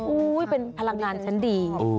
เป็นพลังงานชั้นดี